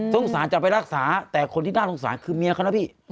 สงสารจะไปรักษาแต่คนที่น่าสงสารคือเมียเขานะพี่